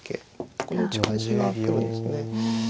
この打ち返しが来るんですね。